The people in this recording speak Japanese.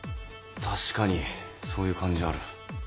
確かにそういう感じある。